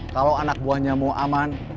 kalau anak buahnya mau aman